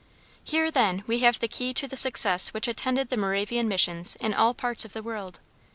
Here, then, we have the key to the success which attended the Moravian Missions in all parts of the world.